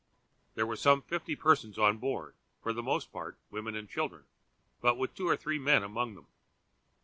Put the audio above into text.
There were some fifty persons on board, for the most part women and children, but with two or three men among them.